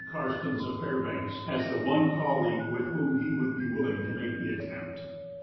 Karstens, of Fairbanks, as the one colleague with whom he would be willing to make the attempt.